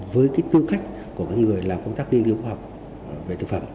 với cái tư cách của các người làm công tác liên liệu khoa học về thực phẩm